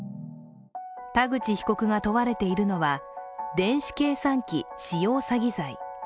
田口被告が問われているのは、電子計算機使用詐欺罪。